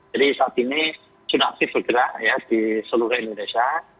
jadi saat ini sunak sif bergerak ya di seluruh indonesia